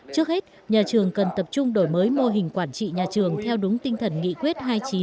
trước hết nhà trường cần tập trung đổi mới mô hình quản trị nhà trường theo đúng tinh thần nghị quyết hai mươi chín